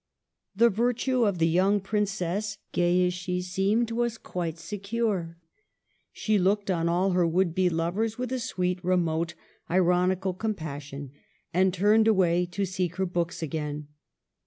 The virtue of the young Princess, gay as she seemed, was quite secure. She looked on all her would be lovers with a sweet, remote, iron ical compassion, and turned away to seek her books again.